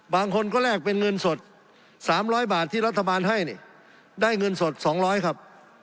บางคนก็แลกเป็นเงินสด๓๐๐บาทที่รัฐบาลให้เนี่ยได้เงินสด๒๐๐ครับ